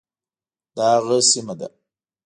دا هغه سیمه ده.